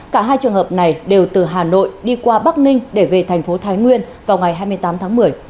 cả hai trường hợp này đều từ hà nội đi qua bắc ninh để về thành phố thái nguyên vào ngày hai mươi tám tháng một mươi